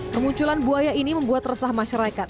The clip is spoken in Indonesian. kemunculan buaya ini membuat resah masyarakat